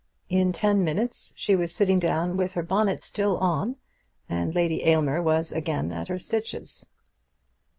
In ten minutes she was sitting down with her bonnet still on, and Lady Aylmer was again at her stitches.